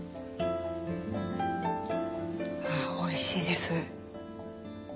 あおいしいです。